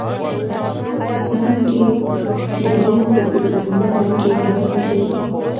د سیمو اوسېدونکي د ونو په پېژندنه کې مرسته کوي.